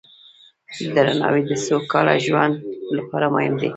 درناوی د سوکاله ژوند لپاره مهم دی.